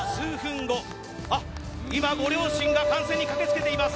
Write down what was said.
ご両親が観戦に駆けつけています。